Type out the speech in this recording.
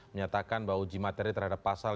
menyatakan bahwa uji materi terhadap pasal